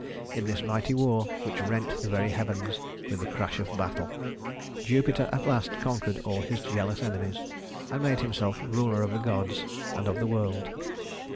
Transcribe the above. In this mighty war, which rent the very heavens with the crash of battle, Jupiter at last conquered all his jealous enemies, and made himself ruler of the gods and of the world.